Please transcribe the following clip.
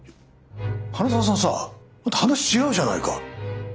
花澤さんさ話違うじゃないか。